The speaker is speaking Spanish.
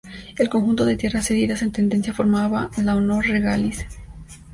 El conjunto de tierras cedidas en tenencia formaba la "honor regalis".